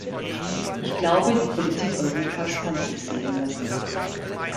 Ich glaube, die Politik Europas kann sich sehen lassen.